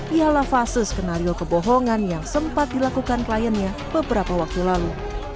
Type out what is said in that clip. ialah fase skenario kebohongan yang sempat dilakukan kliennya beberapa waktu lalu